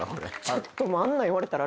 ちょっとあんな言われたら。